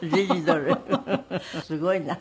すごいな。